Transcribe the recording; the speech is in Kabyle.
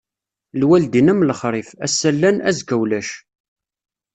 Lwaldin am lexrif, ass-a llan, azekka ulac.